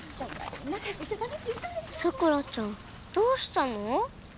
サクラちゃんどうしたの？